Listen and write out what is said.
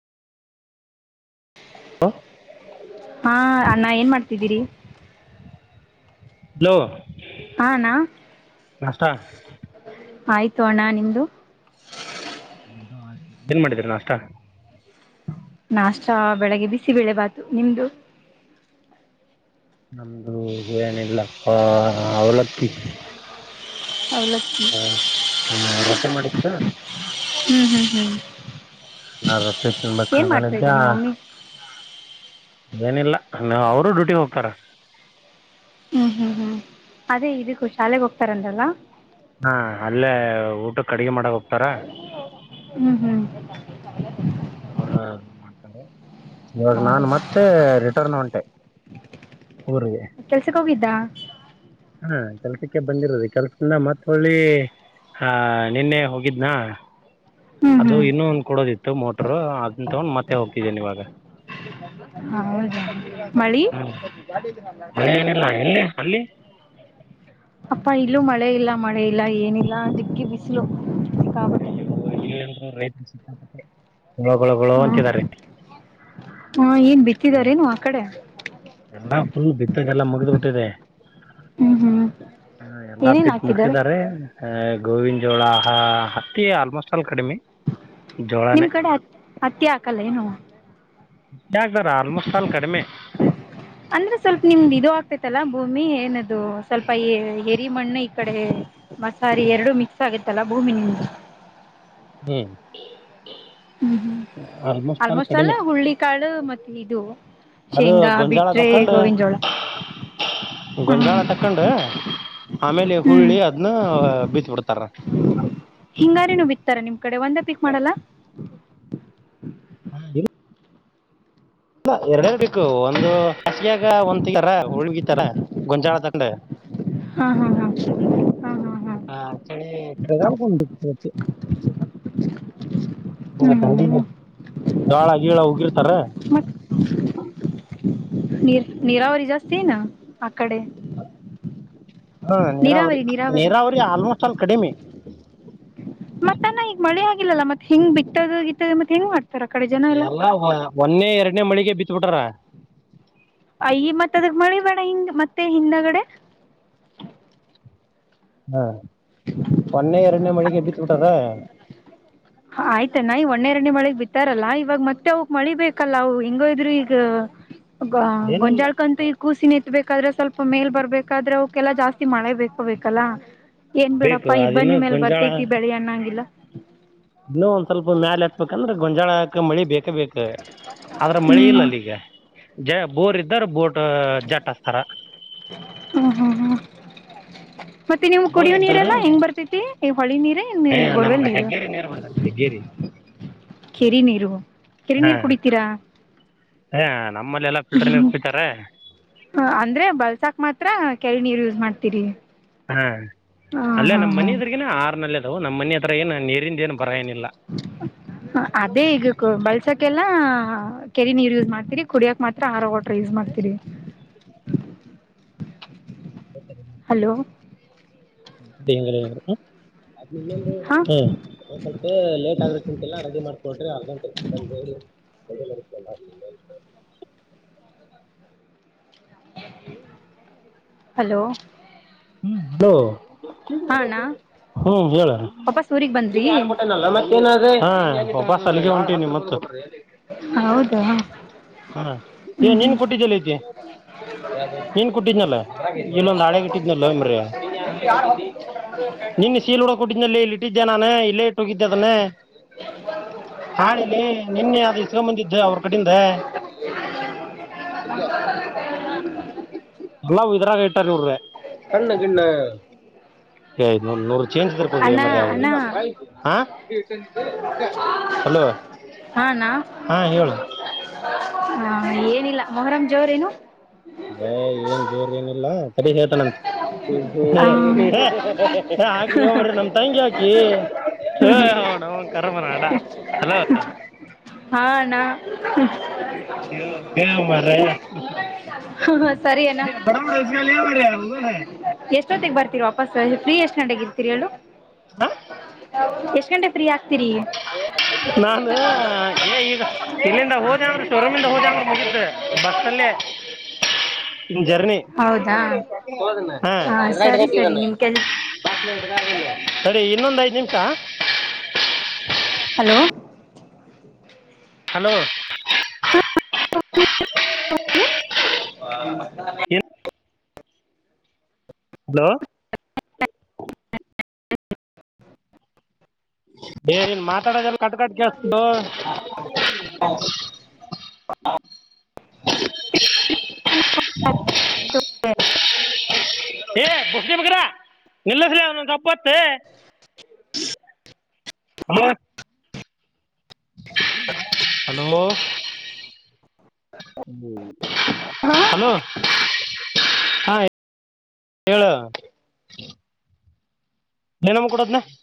ಹಾ ಅಣ್ಣ ಏನ್ ಮಾಡ್ತಿದ್ದೀರಿ ಹಲೋ ಹಾ ನಾ ನಾಷ್ಟ ಆಯ್ತು ಅಣ್ಣ ನಿಮ್ದು ಏನ್ ಮಾಡಿದೀರ ನಾಷ್ಟ ನಾಷ್ಟ ಬೆಳಗ್ಗೆ ಬಿಸಿಬೇಳೆ ಬಾತು ನಿಮ್ದು ನಮ್ದು ಏನಿಲ್ಲಪ್ಪಾ ಅವಲಕ್ಕಿ ಅವಲಕ್ಕಿ ಹಾ ಹಾ ತಿಗೆ ಮಾಡಿತ್ತಾ ಹ್ಮ್ ಹ್ಮ್ ಹ್ಮ್ ನಾ ರೊಟ್ಟಿ ತಿನ್ಬೇಕ್ ಏನ್ ಮಾಡ್ತಾ ಅನ್ಕೊಂದಿದ್ದೆ ಇದ್ರಿ ಆ ನಿಮ್ಮ ಮಮ್ಮಿ ಏನಿಲ್ಲ ನಾ ಅವರು ಡ್ಯೂಟಿಗ್ ಹೋಗ್ತಾರ ಹ್ಮ್ ಹ್ಮ್ ಹ್ಮ್ ಅದೇ ಇದಕ್ಕೂ ಶಾಲೆಗೆ ಹೋಗ್ತಾರಂದ್ರಲ್ಲ. ಹಾ ಅಲ್ಲೇ ಊಟಕ್ಕ್ ಅಡಿಗಿ ಮಾಡಕ ಹ್ಮ್ ಹ್ಮ್ [inaudible] ಅವರು ಮಾಡ್ತಾರೆ ಇವಾಗ ನಾನು ಹೌದು ಮತ್ತೆ ರಿಟರ್ನ್ ಹೊಂಟೆ ಕೆಲ್ಸಕ್ ಹೋಗಿದ್ದಾ ಹ್ಮ್ ಕೆಲ್ಸಕ್ಕೆ ಬಂದಿರೋದು ಈಗ್ ಕೆಲ್ಸದಿಂದ ಮತ್ಹೊಳ್ಳಿ ಆಹ ನಿನ್ನೆ ಹೋಗಿದ್ನಾ ಹ್ಮ್ ಅದು ಹ್ಮ್ ಇನ್ನೊಂದು ಕೊಡೋದಿತ್ತು ಮೋಟರು ಅದನ್ ತಗೊಂಡ್ ಮತ್ತೆ ಹೋಗ್ತಿದೀನ್ ಇವಾಗ ಹೌದ ಮಳಿ ಹ್ಮ್ ಮಳೆ ಏನಿಲ್ಲ ಎಲ್ಲಿ ಅಲ್ಲಿ ಅಪ್ಪ ಈ ಇಲ್ಲೂ ಮಳೆ ಇಲ್ಲ ಮಳೆ ಇಲ್ಲ ಏನಿಲ್ಲ ದಿಕ್ಕಿ ಬಿಸಿಲು ಸಿಕ್ಕಾಪಟ್ಟೆ ಅಯ್ಯೋ ಇಲ್ ಅಂದ್ರು ರೈ ಗೊಳೋ ಗೊಳೋ ಗೊಳೋ ಅಂತಿದಾರೀ ಹಾ ಏನ್ ಬಿತ್ತಿದಾರೇನು ಆ ಕಡೆ ದ್ದೆಲ್ಲ ಮುಗ್ದ್ ಬಿಟ್ಟಿದೆ. ಹ್ಮ್ ಹ್ಮ್ ಹಾ ಎಲ್ಲಾ ಏನೇನ್ ಬಿತ್ತ್ ಹಾಕಿದ್ದಾರೆ ಮುಗ್ಸಿದ್ದಾರೆ ಗೋವಿಂದ್ ಜೋಳ ಹತ್ತಿ ಆಲ್ಮೋಸ್ಟ್ ಆಲ್ ಕಡಿಮೆ ಜೋಳನೇ ನಿಮ್ ಕಡೆ ಹತ್ತಿ ಹಾಕಲ್ಲ ಏನು ಹಾಕ್ತಾರ ಆಲ್ಮೋಸ್ಟ್ ಆಲ್ ಕಡಿಮೆ ಅಂದ್ರೆ ಸ್ವಲ್ಪ ನಿಮ್ದ್ ಇದು ಆಗ್ತೇತಲ್ಲ ಭೂಮಿ ಏನದು ಸ್ವಲ್ಪ ಎರಿ ಮಣ್ಣು ಈ ಕಡೆ ಮಸಾರಿ ಹ್ಮ್ ಎರಡು ಮಿಕ್ಸ್ ಆಗುತ್ತೆ ತಲಭೂಮಿ ನಿಮ್ದು ಹೂ ಹ್ಮ್ ಹ್ಮ್ ಆಲ್ಮೋಸ್ಟ್ ಆಲ್ ಅಲ್ಲ ಕಡಿಮೆ ಹುಳ್ಳಿ ಕಾಳು ಮತ್ತೆ ಇದು ಅದು ಶೇಂಗಾ ಗೊಂಜಾಳ ಬಿಟ್ರೆ ತಕೊಂಡ ಗೋವಿನ ಜೋಳ ಹ್ಮ್ ಗೊಂಜಾಳ ತಕೊಂಡ ಆಮೇಲೆ ಹ್ಮ್ ಹುಳ್ಳಿ ಅದ್ನ್ನ ಬಿತ್ ಬಿಡ್ತಾರ ಹಿಂಗಾರಿನು ಬಿತ್ತಾರಾ ನಿಮ್ ಕಡೆ ಒಂದೇ ಪಿಕ್ ಮಾಡಲ್ಲ [unintelligible] [unintelligible] ಇಲ್ಲ ಎರಡರ್ ಬೇಕು ಒಂದು ಹಾಸಿಯಾಗ ಒಂದ ತಗಿತರ ಉಳ್ಗಿತರ ಗೊಂಚಾಳದಾಗ [unintelligible] ಹಾ ಹಾ ಹಾ ಹಾ ಹಾ ಹಾ ಚಳಿ ಚಳಿಗಾಲಕ್ಕೆ ಒಂದು ಬಿತ್ತಬೇಕು [unintelligible] ಹ್ಮ್ [unintelligible] ಜೋಳ ಗೀಳ ಉಗಿ ಮತ್ತ ನೀರ ನೀರಾವರಿ ಜಾಸ್ತಿಏನ್ ಹಾ ನೀರಾವರಿ ನೀರಾವರಿ ಆಲ್ಮೋಸ್ಟ್ ಅಲ್ಲಿ ಕಡಿಮಿ [unintelligible] ಮತ್ತನ್ನ ಈಗ ಮಳೆ ಆಗಿಲ್ಲಲ್ಲ ಮತ್ತ ಹೆಂಗ ಬಿತ್ತದು ಗಿತ್ತದು ಮತ್ತೆ ಹೆಂಗ ಮಾಡ್ತಾರ ಆ ಕಡೆ ಜನ ಎಲ್ಲಾ ಒನ್ನೇ ಎರಡನೇ ಮಳಿಗೆ ಬಿತ್ತು ಬಿತ್ತ ಬಿಟ್ಟಾರ ಅಯ ಮತ್ತ ಅದಕ್ ಮಳಿ ಬೇಡ ಹಿಂಗ ಮತ್ತೆ ಹಿಂದಗಡೆ ಹಾ ಒನ್ನೇ ಎರಡನೇ ಮಳಿಗೆ ಬಿತ್ತು ಬಿಟಾರ ಆಯ್ತನಾ ಈ ಒಣ್ಣೆ ಎರಡನೇ ಮಳಿಗ್ ಬಿತ್ತಾರಲ್ಲಾ ಇವಾಗ ಮತ್ತೆ ಅವಕ್ ಮಳಿ ಬೇಕಲ್ಲ ಅವು ಹಿಂಗು ಇದ್ರ ಈಗ ಏನಿಲ್ಲ ಗೊಂಜಾಳ್ಕಂತು ಈಗ ಕೂಸಿನ ಎತ್ಬೇಕು ಬೇಕ್ದ್ರೆ ಸ್ವಲ್ಪ ಮೇಲ್ ಬರ್ಬೇಕಾದ್ರೆ ಅವೆಲ್ಲಾ ಜಾಸ್ತಿ ಮಳೆ ಬೇಕಬೇಕಲ್ಲ ಏನ್ ಬೇಕು ಬಿಡಪ್ಪಾ ಅದಿನ್ನೂ ಇಬ್ಬ್ಣಿ ಮೇಲೆ ಬರ್ತೈತಿ ಬೆಳಿ ಅಣ್ಣಂಗಿಲ್ಲಾ ಇನ್ನು ಒಂದ ಸ್ವಲ್ಪ ಮ್ಯಾಲೆ ಎತ್ಬೇಕ್ ಅಂದ್ರೆ ಗೊಂಜಾಳ ಮಳಿ ಬೇಕ ಬೇಕು ಆದ್ರ ಮಳೆ ಹ್ಮ್ ಇಲ್ಲಲ್ಲಿ ಈಗ ಜಯ ಬೋರ್ ಇ್ದರ ಬೋರ್ ಜಟ್ಟಸ್ತರ ಹಾ ಮತ್ತೆ ನೀವು ಕುಡಿಯೋ ಇದ್ದಾರ ನೀರೆಲ್ಲಾ ಹೆಂಗ್ ಬರ್ತೇತಿ ಈ ಹೊಳಿ ನೀರ ಈ ಬೊರ್ವೆಲ್ ನಮ್ಗೆ ನೀರು ಹೆಗ್ಗೇರಿ ನೀರ್ ಬರ್ತೈತಿ ಹೆಗ್ಗೇರಿ ಕೆರಿ ನೀರು ಕೆರೆ ಹಾ ನೀರು ಕುಡಿತೀರಾ ಹಾ ನಮ್ಮಲ್ಲೆಲ್ಲ ಫಿಲ್ಟರ್ ನೀರ್ ಕುಡಿತಾರ ಅಂದ್ರೆ ಬಳ್ಸಾಕ್ ಮಾತ್ರ ಕೇಳಿ ನೀರು ಯೂಸ್ ಮಾಡ್ತೀರಿ ಹಾ ಹ ಅಲ್ಲೇ ಹಾ ನಮ್ಮ್ ಹಾ ಮನ ಇದ್ರಗನ ಆರ್ನಲ್ಲ ನಮ್ಮನೆ ಹತ್ರರ ಏ ನಾನು ನೀರು ಹ ಅದೇ ಈಗಕ್ಕೂ ಬಳ್ಸಕ ಕೆರಿ ನೀರು ಯೂಸ್ ಮಾಡ್ತರಿ ಕುಡಿಯಕ್ ಮಾತ್ರ ಹಾರ ವಾಟರ್ ಯೂಸ್ ಮಾಡ್ತೀರಿ ಹಾ ಹಲೋ ಬೇಂಗರ ಅದ್ ನಿ ಹಾ ಸ್ವಪ ಲೇಟ್ ಆಗ್ರ ಚಂತೆಲ್ಲ ರೆಡಿ ಮಾಡ್ಕೊಡ್ರಿ ಅರ್ ಗಂಟೆ ಸಂಜೆಿ ಕೈಲ್ಲರ್ತಲ್ಲ ಎಲ್ಲ ಹಲೋ ಹ್ಮ್ಲ ಹಾ ಅಣ್ಣ ಹ್ಮ್ ವಾಪಸ್ ಊರಿಗ್ ಬಂದ್ರಿ ಹೇಳರಿತ್ತ ಹ ವಾಪಸ್ ಸಲ್ಲಿ ಉಂಟ [unintelligible] ಿ ಮತ್ತ ಹೌದಾ ಹಾ ಹ್ಮ್ ನೀನ್ ಹ್ಮ್ ಕುಟ್ಟಿದ್ದಲ್ಲ ಐತಿ ನೀನ್ ಕುಟ್ಟಿದ್ನಲ್ಲ ಇಲ್ಲೊಂದು ಹಳೆಟ್ಟ [unintelligible] ನ್ರ ನಿನ್ ಸೀಲ್ಡ ಕೊಟ್ಟಿದ್ನಲ್ಲ ಹೇಳಟ್ಟ ಇಟ್ಟಿದ್ದೆ ನಾನು ಇಲ್ಲೇ ಇಟ್ಟು ಹೋಗಿದ್ದದನ್ನೇ ಹಳಲ್ಲಿ ನಿನ್ನೆ ಅದು ಇಷ್ಟಕ ಬಂದಿದ್ದ ಅವ್ರ ಕಡಿಂದ ಎಲ್ಲ ಇದ್ರಾಗತಾರೆರ ಕಣ್ಣಣ ನೂ ಚೇಂಜ್ ತರ್ಕೊಳ್ಳಿ ಅಣ್ಣ ಮ ಅಣ್ಣ ಹಾ ೆ [unintelligible] ಹಲೋ ಹಾ ಅಣ್ಣ ಹಾ ಹೇಳ ಹಾ ಏನಿಲ್ಲ ಮೊಹರಂ್ ಜೋರೇನು ಹ ಏನ್ ಜೋರ್ ಏನಿಲ್ಲ ಸರಿ ಹೇಳ್ತಾನಂತ ಹ ಹಾಕ್ರಿ ಹ್ರಿ ನಮ ತಂಗಿ ಹಾಕಿ ಹ ಕರಮನ ಅಡ ಅಲ ಹಾ ಅಣ್ಣ ಯ ಗ ಮಾರ ಸರಿ ಅಣ್ಣ ಬಡ ಮುಡಗ ಯ ಮರ ಬಸ್ಸಲ್ಲಿ ಫ್ರೀ ಎಷ್ಟ ಗಂಟೆಕ್ ಇರ್ತೀರಿ ಹೇಳು ಎಸ್ಟ್ ಕಂಡೆ ಪ್ರಿಯ ನಾನ ಏ ಈಗ ಇಲ್ಲಿಂದ ಹೋದ ಅಂದ್ ಸೋರುಮಿಂದ ಹೋದ್ಯ ಅಂದ್ರ ಮುಗಿತ ಬಸ್ಸಲ್ಲೇ ಜರ್ನಿ ಹೌದಾ ಹಾ ಸರಿ ಸರಿ ನಿಮ್ ಕೆಲ್ ತಡಿ ಇನ್ನೊಂದ ಐತ್ ಓನ್ ನಿಮಿಷಾ [inaudible] ಹಲೋ ಹಲೋ ಯಾವ್ದು [unintelligible] ಹಲೋ ಏ ನೀನ್ ಮಾತಾಡದೇಲ್ಲ ಕಟ್ಕಟ್ ಕೆಳಸ್ತಾದೋ [unintelligible] ನಿಲ್ಲಸ್ಲೇ ಸ್ವಲ್ಪಹೊತ್ತ ಹಲೋ ಹಾ ಹಲೋ ಹಾ ಹೇಳ ನೀಲಮ್ಮಗ ಕೊಡದ್ನ